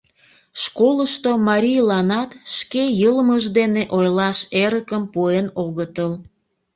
Школышто марийланат шке йылмыж дене ойлаш эрыкым пуэн огытыл.